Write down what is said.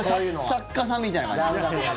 作家さんみたいな感じで。